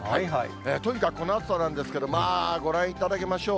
とにかくこの暑さなんですけど、ご覧いただきましょう。